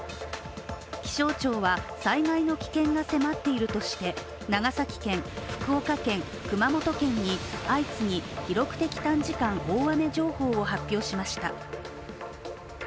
気象庁は、災害の危険が迫っているとして長崎県、福岡県、熊本県に相次ぎ記録的短時間大雨情報を発表しました。